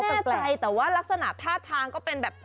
ที่ค้อนี้ไม่แน่ใจแต่ลักษณะท่าทางก็เป็นแบบ